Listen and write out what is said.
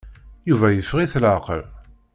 Yuba yeffeɣ-it laɛqel.